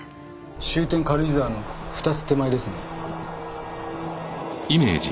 終点軽井沢の２つ手前ですね。